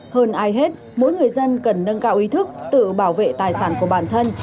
hơn ai hết mỗi người dân cần nâng cao ý thức tự bảo vệ tài sản của bản thân